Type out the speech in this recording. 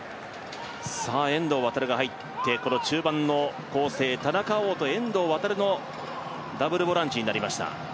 遠藤航が入って、中盤の構成、田中碧と遠藤航のダブルボランチになりました。